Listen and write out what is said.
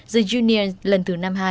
the juniors lần thứ năm hai